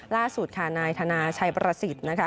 ล่าสุดค่ะนายธนาชัยประสิทธิ์นะคะ